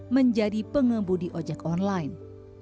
menjadi pengembudi ojek online